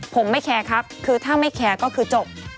ผมไม่แคร์ครับคือถ้าไม่แคร์ก็คือจบ